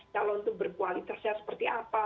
calon itu berkualitasnya seperti apa